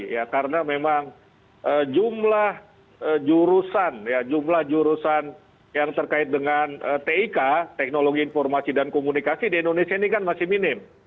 ya karena memang jumlah jurusan ya jumlah jurusan yang terkait dengan tik teknologi informasi dan komunikasi di indonesia ini kan masih minim